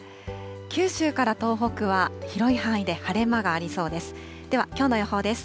九州から東北は広い範囲で晴れ間がありそうです。